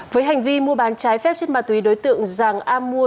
với hành vi mua bán trái phép trên ma túy đối tượng giàng am mua